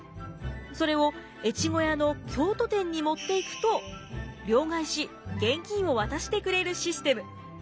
それを越後屋の京都店に持っていくと両替し現金を渡してくれるシステム。